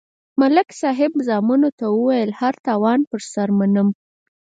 ملک صاحب زامنو ته ویل: هر تاوان پر سر منم.